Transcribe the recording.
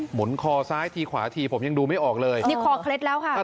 หนคอซ้ายทีขวาทีผมยังดูไม่ออกเลยนี่คอเคล็ดแล้วค่ะ